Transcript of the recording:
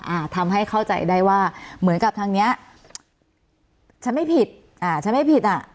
อ่าทำให้เข้าใจได้ว่าเหมือนกับทางเนี้ยฉันไม่ผิดอ่าฉันไม่ผิดอ่ะ